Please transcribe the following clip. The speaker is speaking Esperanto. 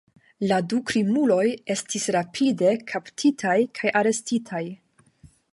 La du krimuloj estis rapide kaptitaj kaj arestitaj.